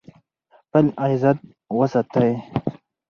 خپل عزت وساتئ.